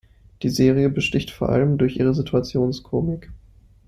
Die Serie besticht vor allem durch ihre Situationskomik.